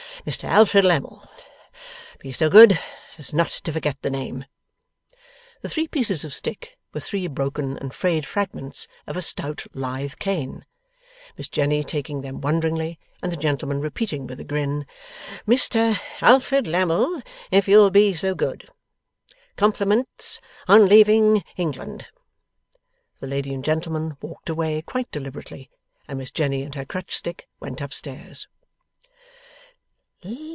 Mr Alfred Lammle. Be so good as not to forget the name.' The three pieces of stick were three broken and frayed fragments of a stout lithe cane. Miss Jenny taking them wonderingly, and the gentleman repeating with a grin, 'Mr Alfred Lammle, if you'll be so good. Compliments, on leaving England,' the lady and gentleman walked away quite deliberately, and Miss Jenny and her crutch stick went up stairs.